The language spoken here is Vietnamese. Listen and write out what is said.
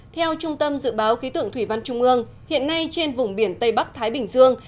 theo trung tâm dự báo khí tượng thủy văn trung ương hiện nay trên vùng biển tây bắc thái bình dương